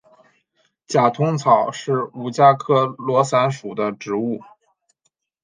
假通草是五加科罗伞属的植物。